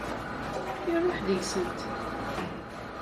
Iruḥ deg-sent.